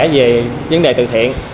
về vấn đề từ thiện